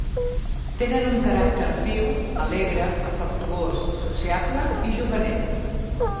Tenen un caràcter viu, alegre, afectuós, sociable i juganer.